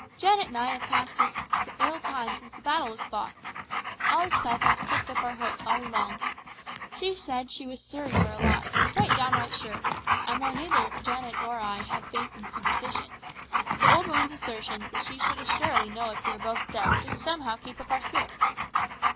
"Janet and I have passed an ill time since the battle was fought. Elspeth has kept up our hopes all along. She said she was sure that you were alive, quite downright sure; and though neither Janet nor I have much faith in superstitions, the old woman's assertions that she should assuredly know it if you were dead did somehow keep up our spirits.